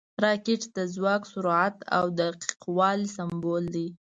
راکټ د ځواک، سرعت او دقیق والي سمبول دی